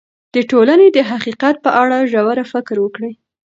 د ټولنې د حقیقت په اړه ژور فکر وکړئ.